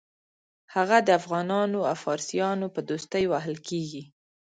هغه د افغانانو او فارسیانو په دوستۍ وهل کېږي.